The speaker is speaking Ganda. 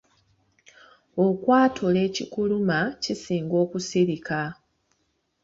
Okwatula ekikuluma kisinga okusirika.